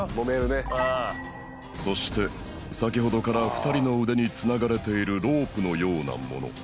そして先ほどから２人の腕に繋がれているロープのようなもの